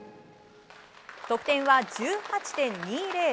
得点は１８．２００。